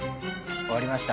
終わりました。